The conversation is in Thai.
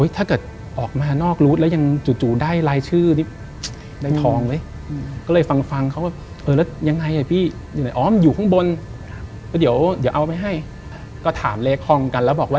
ถามเลขทางกันแล้วบอกว่า